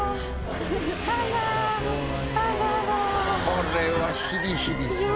これはヒリヒリするね。